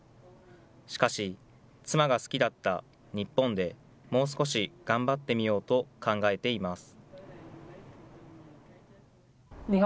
しかし、妻が好きだった日本で、もう少し頑張ってみようと考えています。